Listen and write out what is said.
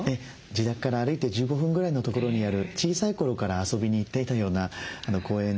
自宅から歩いて１５分ぐらいのところにある小さい頃から遊びに行っていたような公園です。